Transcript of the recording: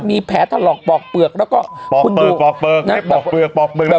มีแผลถลอกปอกเปลือกแล้วก็ปอกคุณดูปอกเปลือกนะปอกเปลือกปอกเปลือก